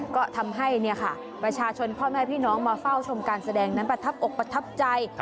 ก็ทำให้ประชาชนพ่อแม่พี่น้องมาเฝ้าชมการแสดงนั้นประทับอกประทับใจ